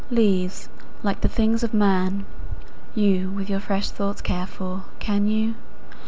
Leáves, líke the things of man, youWith your fresh thoughts care for, can you?